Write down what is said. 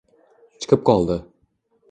chiqib qoldi!